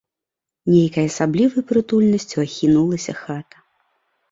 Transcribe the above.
Нейкай асаблівай прытульнасцю ахінулася хата.